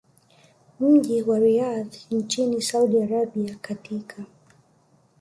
mji wa Riyadh nchini Saudi Arabia katika